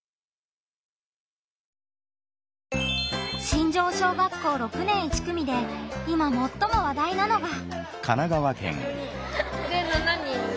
新城小学校６年１組で今もっとも話題なのが。